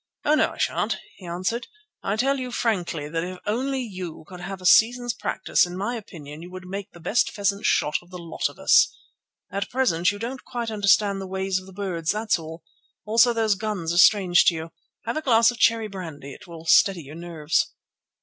"Oh, no, I sha'n't," he answered. "I tell you frankly that if only you could have a season's practice, in my opinion you would make the best pheasant shot of the lot of us. At present you don't quite understand the ways of the birds, that's all; also those guns are strange to you. Have a glass of cherry brandy; it will steady your nerves."